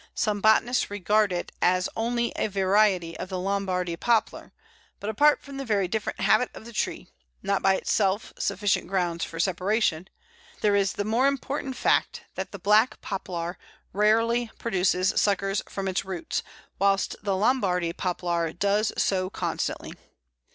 Some botanists regard it as only a variety of the Lombardy Poplar, but apart from the very different habit of the tree not by itself sufficient grounds for separation there is the more important fact that the Black Poplar rarely produces suckers from its roots, whilst the Lombardy Poplar does so constantly.